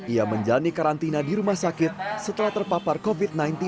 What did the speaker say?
ia menjalani karantina di rumah sakit setelah terpapar covid sembilan belas